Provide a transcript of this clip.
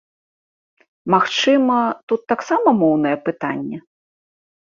Магчыма, тут таксама моўнае пытанне?